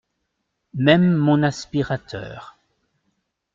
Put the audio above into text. Même mon aspirateur.